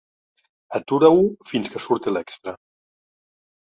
Atura-ho fins que surti l'extra.